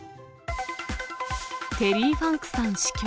テリー・ファンクさん死去。